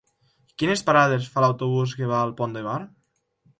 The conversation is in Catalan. Quines parades fa l'autobús que va al Pont de Bar?